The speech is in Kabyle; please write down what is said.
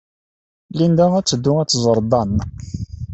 Linda ad teddu ad tẓer Dan.